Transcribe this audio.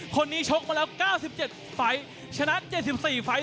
ชกมาแล้ว๙๗ไฟล์ชนะ๗๔ไฟล์